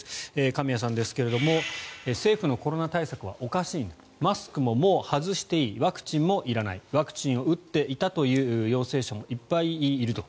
神谷さんですが政府のコロナ対策はおかしいんだとマスクももう外していいワクチンもいらないワクチンを打っていたという陽性者もいっぱいいると。